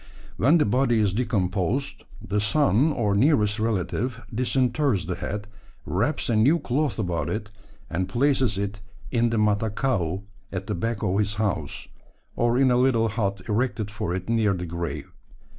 When the body is decomposed the son or nearest relative disinters the head, wraps a new cloth about it, and places it in the Matakau at the back of his house, or in a little hut erected for it near the grave.